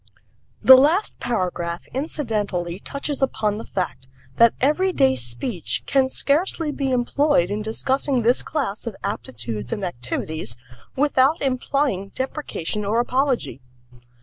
The last paragraph incidentally touches upon the fact that everyday speech can scarcely be employed in discussing this class of aptitudes and activities without implying deprecation or apology.